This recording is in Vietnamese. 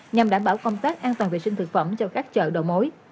nhằm đảm bảo công tác an toàn vệ sinh thực phẩm cho các chợ đầu mối